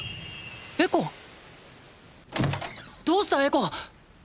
エコ⁉どうしたエコ！！